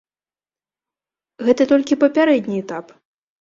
Гэта толькі папярэдні этап.